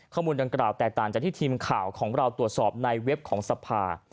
ข้อมูลดังกล่าวแตกต่างจากที่ทีมข่าวของเราตรวจสอบในเว็บของสภา